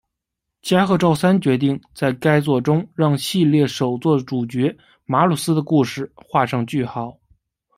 加贺昭三决定在该作中让系列首作主角马鲁斯的故事画上句号。